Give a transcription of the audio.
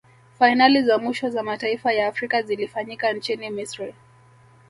fainali za mwisho za mataifa ya afrika zilifanyika nchini misri